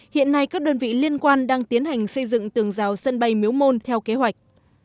hiện nay các đơn vị liên quan đang tiến hành xây dựng tường rào sân bay miếu môn theo kế hoạch